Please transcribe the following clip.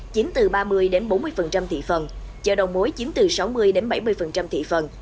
chiến từ ba mươi bốn mươi thị phần chợ đồng mối chiến từ sáu mươi bảy mươi thị phần